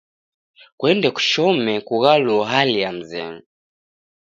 Kuende kushome kughaluo hali ya mzenyu.